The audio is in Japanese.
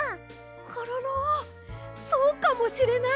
コロロそうかもしれないですね。